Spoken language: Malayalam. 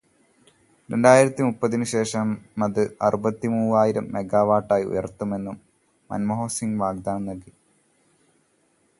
രണ്ടായിരത്തി മുപ്പതിനു ശേഷമത് അറുപത്തിമൂവായിരം മെഗാവാട്ടായി ഉയർത്തുമെന്നും മൻമോഹൻസിങ് വാഗ്ദാനം നൽകി.